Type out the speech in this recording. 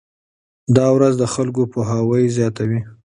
دا ورځ د خلکو پوهاوی زیاتوي.